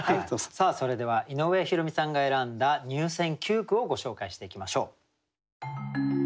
さあそれでは井上弘美さんが選んだ入選九句をご紹介していきましょう。